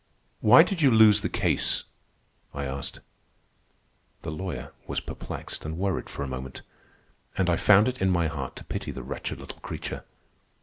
"Why did you lose the case?" I asked. The lawyer was perplexed and worried for a moment, and I found it in my heart to pity the wretched little creature.